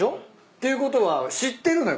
ていうことは知ってるのよ